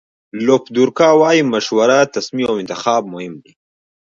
لوپ دورکا وایي مشوره، تصمیم او انتخاب مهم دي.